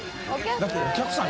だってお客さん。